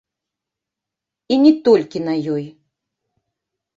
І не толькі на ёй.